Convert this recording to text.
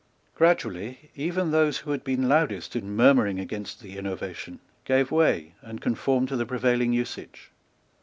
Gradually even those who had been loudest in murmuring against the innovation gave way and conformed to the prevailing usage.